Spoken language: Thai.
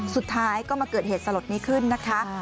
สุดท้ายก็มาเกิดเหตุสลดนี้ขึ้นนะคะ